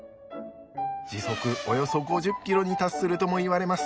時速およそ５０ｋｍに達するともいわれます。